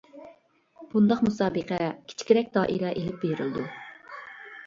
بۇنداق مۇسابىقە كىچىكرەك دائىرە ئېلىپ بېرىلىدۇ.